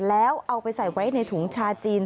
แล้วเอาไปใส่ไว้ในถุงชาจีน